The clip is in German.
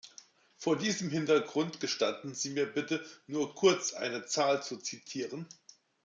Vor diesem Hintergrund gestatten Sie mir bitte, nur kurz eine Zahl zu zitieren.